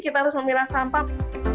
kita terus memilah sampah